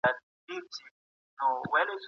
د بدبختۍ او کورنۍ جګړې پرته بل هيڅ پیغام نه